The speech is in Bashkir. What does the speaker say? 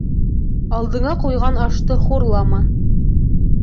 Алдыңа ҡуйған ашты хурлама.